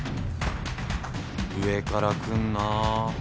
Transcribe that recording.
上から来んな。